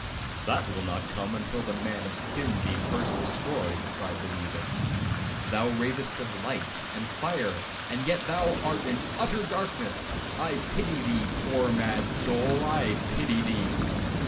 '—'That will not come till the Man of Sin be first destroyed,' cried the weaver; 'thou ravest of light and fire, and yet thou art in utter darkness.—I pity thee, poor mad soul, I pity thee!'